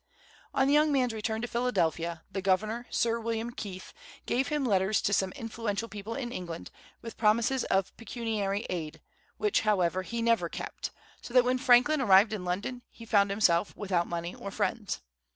On the young man's return to Philadelphia, the governor, Sir William Keith, gave him letters to some influential people in England, with promises of pecuniary aid, which, however, he never kept; so that when Franklin arrived in London he found himself without money or friends.